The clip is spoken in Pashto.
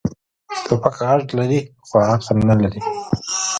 توپک غږ لري، خو عقل نه لري.